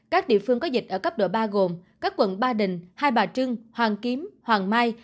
các địa phương có dịch ở cấp độ ba gồm các quận ba đình hai bà trưng hoàng kiếm hoàng mai